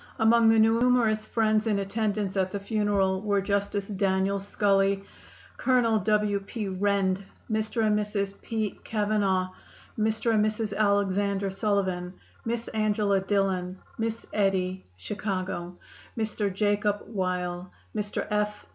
Among the numerous friends in attendance at the funeral were Justice Daniel Scully, Colonel W. P. Rend, Mr. and Mrs. P. Cavanagh, Mr. and Mrs. Alexander Sullivan, Miss Angela Dillon, Miss Eddy, Chicago; Mr. Jacob Wile, Mr. F.